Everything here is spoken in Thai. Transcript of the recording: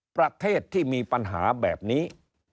ประเทศที่มีปัญหาแบบนี้